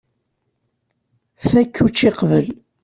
Fakk učči qbel.